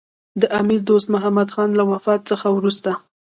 د امیر دوست محمدخان له وفات څخه وروسته.